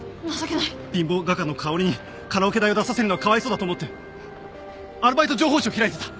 貧乏画家の佳織にカラオケ代を出させるのはかわいそうだと思ってアルバイト情報誌を開いてた。